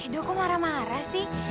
duh aku marah marah sih